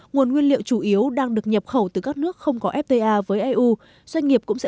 nguồn nguyên liệu chủ yếu đang được nhập khẩu từ các nước không có fta với eu doanh nghiệp cũng sẽ